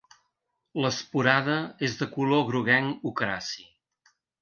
L'esporada és de color groguenc ocraci.